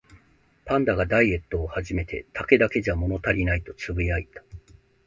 パンダがダイエットを始めて、「竹だけじゃ物足りない」とつぶやいた